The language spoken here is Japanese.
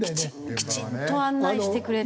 きちんと案内してくれて。